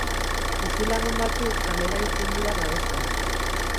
Bizilagun batzuk kalera irten dira, badaezpada.